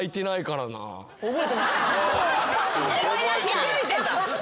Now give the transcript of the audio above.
気付いてた？